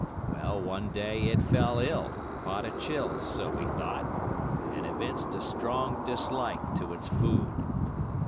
Well, one day it fell ill, caught a chill, so we thought, and evinced a strong dislike to its food.